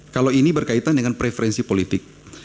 kalau ini berkaitan dengan preferensi politik